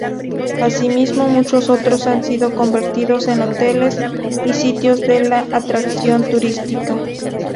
Asimismo, muchos otros han sido convertidos en hoteles y sitios de atracción turística.